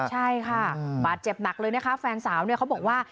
ใช่ค่ะบาดเจ็บหนักเลยนะคะแฟนสาวเนี่ยเขาบอกว่า